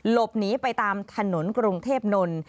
หลบหนีไปตามถนนกรุงเทพนนท์